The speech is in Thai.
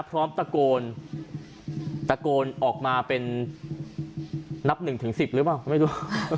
พร้อมตะโกนตะโกนออกมาเป็นนับหนึ่งถึง๑๐หรือเปล่าไม่รู้